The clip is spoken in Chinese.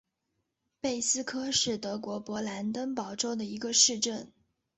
贝斯科是德国勃兰登堡州的一个市镇。